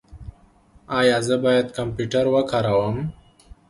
ایا زه باید کمپیوټر وکاروم؟